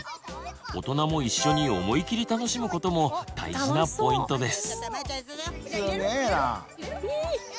大人も一緒に思いきり楽しむことも大事なポイントです。